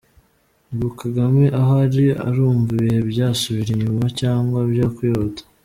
Ubu Kagame aho ari arumva ibihe byasubira inyuma cyngwa byakwihuta.